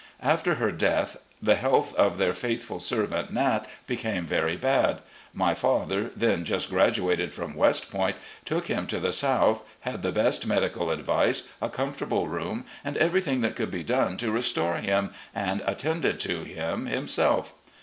After her death the health of their faithful servant, Nat, became very bad. My father, then just graduated from West Point, took him to the South, had the best medical advice, a comfortable room, and ever3rthing that could be done to restore him, and attended to him himself.